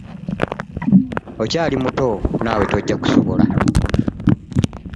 Okyali muto naawe tojja kusobola.